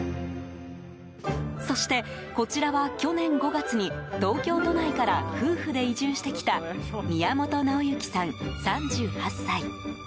そして、こちらは去年５月に東京都内から夫婦で移住してきた宮本直幸さん、３８歳。